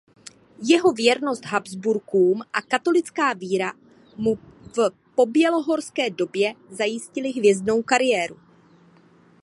Jeho věrnost Habsburkům a katolická víra mu v pobělohorské době zajistily hvězdnou kariéru.